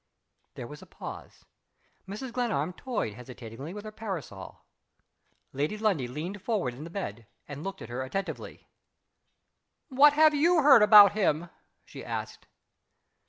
There was a pause. Mrs. Glenarm toyed hesitatingly with her parasol. Lady Lundie leaned forward in the bed, and looked at her attentively. "What have you heard about him?" she asked.